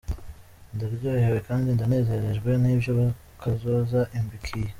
"Ndaryohewe kandi ndanezerejwe n'ivyo kazoza imbikiye.